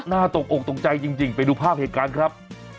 ตกอกตกใจจริงไปดูภาพเหตุการณ์ครับ